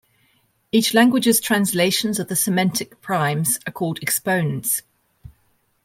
Each language's translations of the semantic primes are called exponents.